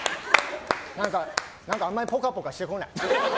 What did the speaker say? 何かあんまりぽかぽかしてこない。